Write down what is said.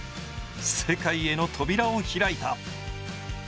世界への扉を開いた。